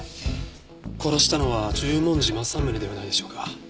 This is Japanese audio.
殺したのは十文字政宗ではないでしょうか。